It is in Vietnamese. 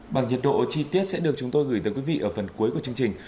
bằng nhiệt độ chi tiết sẽ được chúng tôi gửi tới quý vị ở phần cuối của chương trình